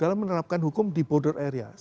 dalam menerapkan hukum di border area